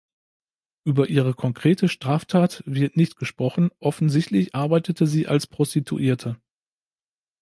Über ihre konkrete Straftat wird nicht gesprochen, offensichtlich arbeitete sie als Prostituierte.